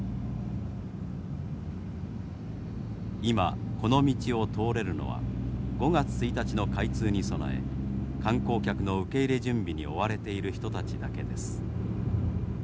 今この道を通れるのは５月１日の開通に備え観光客の受け入れ準備に追われている人たちだけです。